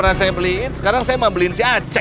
wow tapi luar biasa